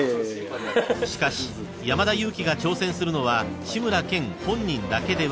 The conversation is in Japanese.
［しかし山田裕貴が挑戦するのは志村けん本人だけではない］